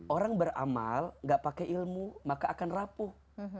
orang beramal gak pakai ilmu maka akan rapuh